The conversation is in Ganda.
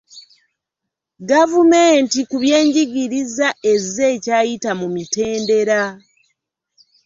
GavumentI ku byenjigiriza ezze ekyayita mu mitendera.